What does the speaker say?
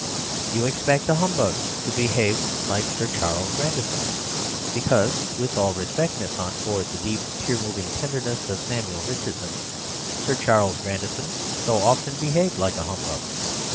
You expect a humbug to behave like Sir Charles Grandison; because (with all respect, Miss Hunt, for the deep, tear moving tenderness of Samuel Richardson) Sir Charles Grandison so often behaved like a humbug.